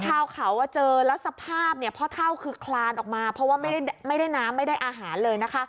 ชาวเขาก็เจอพ่อเถ้าคือคลานออกมาเพราะว่าไม่ได้น้ำไม่ได้อาหารเลย